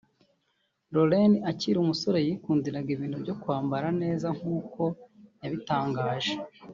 Lauren akiri umusore yikundiraga ibintu byo kwambara neza nk’uko yabitangaje